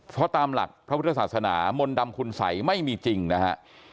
เพราะตามหลักพระพุทธศาสนามนต์ดำคุณสัยไม่มีจริงนะฮะ